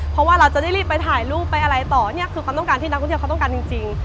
เพราะว่าเราจะได้รีบไปถ่ายรูปไปอะไรต่อเนี่ยคือความต้องการที่นักท่องเที่ยวเขาต้องการจริง